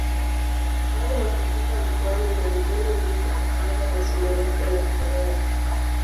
Baada ya kufika mkoani Morogoro ndipo akaanza masomo yake ya awali.